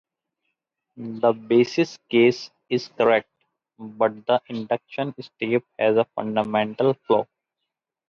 The basis case is correct, but the induction step has a fundamental flaw.